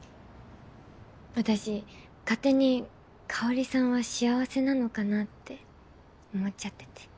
私勝手に香さんは幸せなのかなって思っちゃってて。